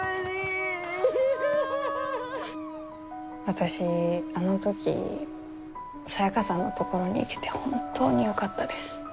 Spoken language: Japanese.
私あの時サヤカさんのところに行けて本当によかったです。